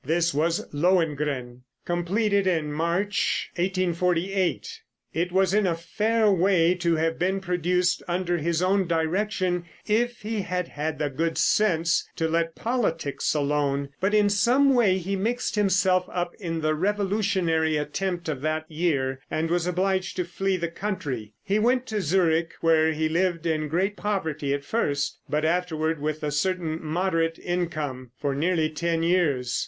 This was "Lohengrin," completed in March, 1848. It was in a fair way to have been produced under his own direction if he had had the good sense to let politics alone; but in some way he mixed himself up in the revolutionary attempt of that year, and was obliged to flee the country. He went to Zurich, where he lived in great poverty at first, but afterward with a certain moderate income, for nearly ten years.